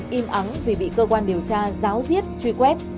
sau thời gian im ắng vì bị cơ quan điều tra giáo giết truy quét